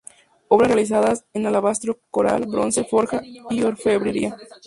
Obras realizadas en alabastro, coral, bronce, forja y orfebrería.